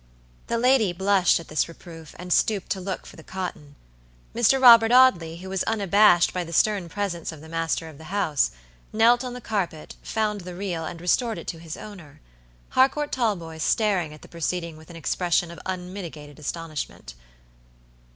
The lady blushed at this reproof, and stooped to look for the cotton. Mr. Robert Audley, who was unabashed by the stern presence of the master of the house, knelt on the carpet, found the reel, and restored it to its owner; Harcourt Talboys staring at the proceeding with an expression of unmitigated astonishment.